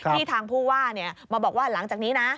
ทางผู้ว่ามาบอกว่าหลังจากนี้นะ